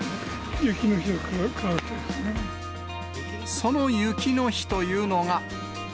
その雪の日というのが。